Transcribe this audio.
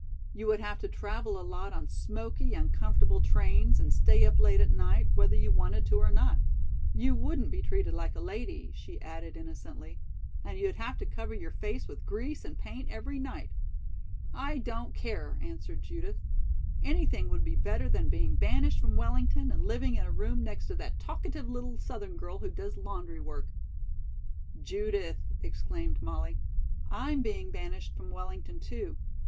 "You would have to travel a lot on smoky, uncomfortable trains and stay up late at night, whether you wanted to or not. You wouldn't be treated like a lady," she added innocently, "and you'd have to cover your face with grease and paint every night." "I don't care," answered Judith. "Anything would be better than being banished from Wellington and living in a room next to that talkative little southern girl who does laundry work." "Judith," exclaimed Molly, "I'm being banished from Wellington, too.